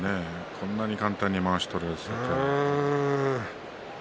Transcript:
こんなに簡単にまわしを取られてしまって。